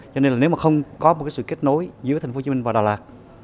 cho nên nếu mà không có một sự kết nối giữa tp hcm và đà lạt